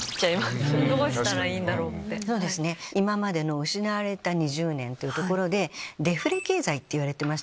今までの失われた２０年というところでデフレ経済って言われてましたよね。